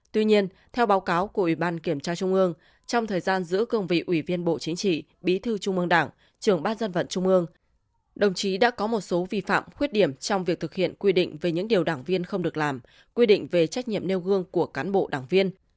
tuy nhiên theo báo cáo của ủy ban kiểm tra trung ương trong thời gian giữ cương vị ủy viên bộ chính trị bí thư trung ương đảng trưởng ban dân vận trung ương đồng chí đã có một số vi phạm khuyết điểm trong việc thực hiện quy định về những điều đảng viên không được làm quy định về trách nhiệm nêu gương của cán bộ đảng viên